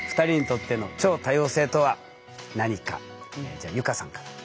じゃあ結香さんから。